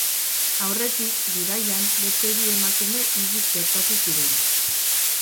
Aurretik, bidaian, beste bi emakume hilik gertatu ziren.